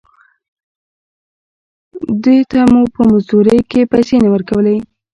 دوې ته مو په مزدورۍ کښې پيسې نه ورکولې.